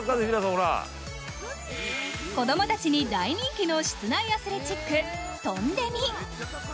子供たちに大人気の室内アスレチック、トンデミ。